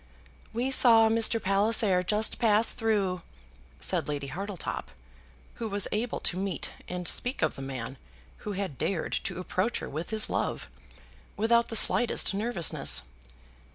"We saw Mr. Palliser just pass through," said Lady Hartletop, who was able to meet and speak of the man who had dared to approach her with his love, without the slightest nervousness.